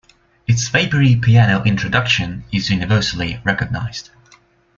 Its vapory piano introduction is universally recognized.